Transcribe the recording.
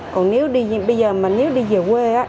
còn nếu đi bây giờ mình nếu đi về quê